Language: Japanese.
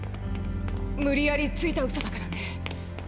無理やりついた嘘だからね。